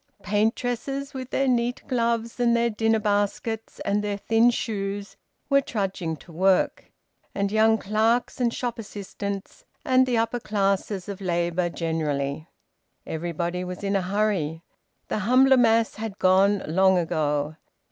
Paintresses with their neat gloves and their dinner baskets and their thin shoes were trudging to work, and young clerks and shop assistants and the upper classes of labour generally. Everybody was in a hurry. The humbler mass had gone long ago.